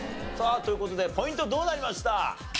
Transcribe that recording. さあという事でポイントどうなりました？